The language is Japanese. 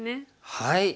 はい。